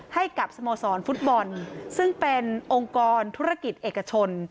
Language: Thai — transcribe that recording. ให้กับสโมสรฟุตบอลซึ่งเป็นองค์กรธุรกิจเอกชน